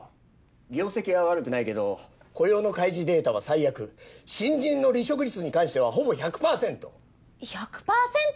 業績は悪くないけど雇用の開示データは最悪新人の離職率に関してはほぼ１００パーセント１００パーセント？